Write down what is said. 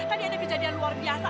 tadi ada kejadian luar biasa